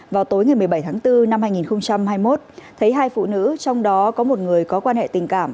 vào tối ngày một mươi bảy tháng bốn năm hai nghìn hai mươi một thấy hai phụ nữ trong đó có một người có quan hệ tình cảm